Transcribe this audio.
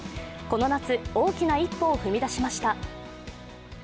この夏、大きな一歩を踏み出しました。